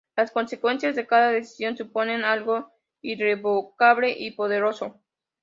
Las consecuencias de cada decisión suponen algo irrevocable y poderoso.